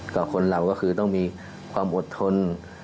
กับคนเราก็คือต้องมีความอดทน